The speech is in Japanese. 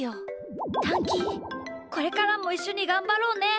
タンキーこれからもいっしょにがんばろうね！